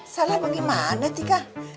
salah bagaimana tika